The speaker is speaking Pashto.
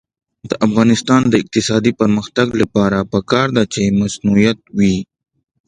د افغانستان د اقتصادي پرمختګ لپاره پکار ده چې مصونیت وي.